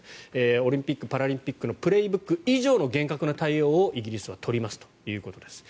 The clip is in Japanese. オリンピック・パラリンピックの「プレーブック」以上の厳格な対応をイギリスは取りますということです。